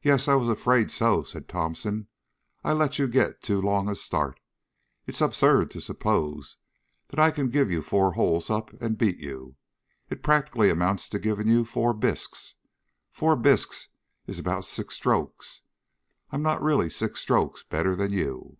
"Yes, I was afraid so," said Thomson; "I let you get too long a start. It's absurd to suppose that I can give you four holes up and beat you. It practically amounts to giving you four bisques. Four bisques is about six strokes; I'm not really six strokes better than you."